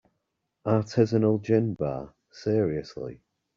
Artisanal gin bar, seriously?!